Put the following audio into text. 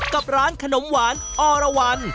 กับร้านขนมหวานอ้อระวัน